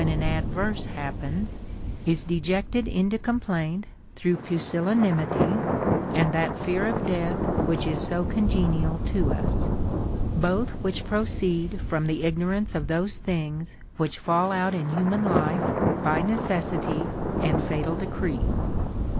329 an adverse happens, is dejected into complaint through pusillanimity and that fear of death which is so congenial to us ; both which proceed from the ignorance of those things which fall out in human life by necessity and fatal decree.